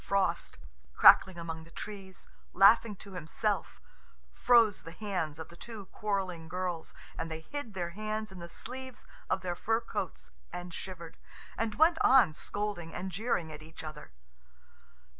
] Frost, crackling among the trees, laughing to himself, froze the hands of the two quarrelling girls, and they hid their hands in the sleeves of their fur coats and shivered, and went on scolding and jeering at each other.